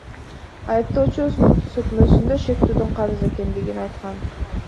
Айыптоочу өз көрсөтмөсүндө шектүүдөн карыз экендигин айткан.